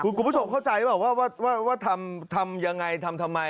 คุณผู้ชมเข้าใจว่าทำอย่างไรทำทำไม